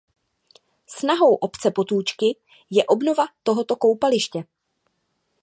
Snahou obce Potůčky je obnova tohoto koupaliště.